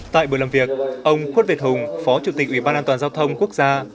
tại buổi làm việc ông khuất việt hùng phó chủ tịch ủy ban an toàn giao thông quốc gia